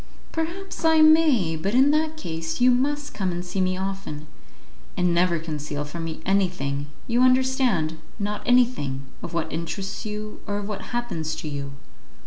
"Perhaps I may; but in that case you must come and see me often, and never conceal from me anything, you understand, not anything, of what interests you, or of what happens to you."